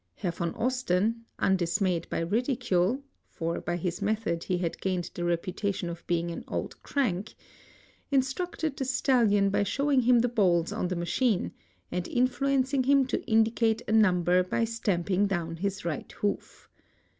Herr von Osten. undismayed by ridicule, (for by his method he had gained the reputation of being an old crank,) instructed the stallion by showing him the balls on the machine, and influencing him to indicate a number by stamping down his right hoof.